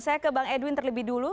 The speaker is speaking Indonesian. saya ke bang edwin terlebih dulu